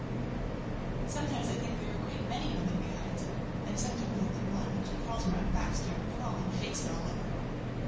Sometimes I think there are a great many women behind, and sometimes only one, and she crawls around fast, and her crawling shakes it all over.